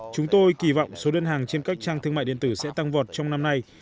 chúng tôi kỳ vọng số đơn hàng trên các trang thương mại điện tử sẽ tăng vọt trong năm nay